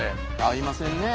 合いませんね。